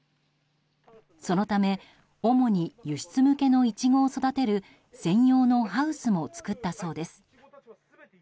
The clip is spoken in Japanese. そのため主に輸出向けのイチゴを育てる専用のハウスも作ったそうです。